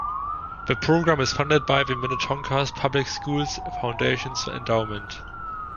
The program is funded by the Minnetonka Public Schools Foundation's Endowment.